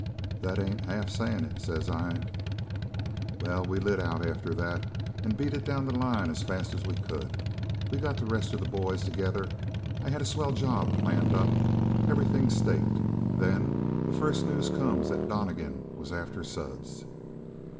"'That ain't half sayin' it,' says I. "Well, we lit out after that and beat it down the line as fast as we could. We got the rest of the boys together; I had a swell job planned up. Everything staked. Then, the first news come that Donnegan was after Suds.